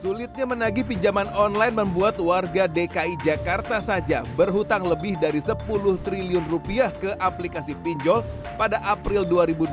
sulitnya menagi pinjaman online membuat warga dki jakarta saja berhutang lebih dari sepuluh triliun rupiah ke aplikasi pinjol pada april dua ribu dua puluh